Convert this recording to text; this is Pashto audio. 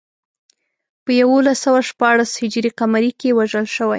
په یولس سوه شپاړس هجري قمري کې وژل شوی.